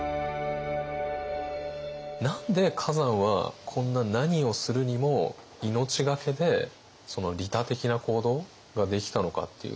何で崋山はこんな何をするにも命懸けで利他的な行動ができたのかっていう。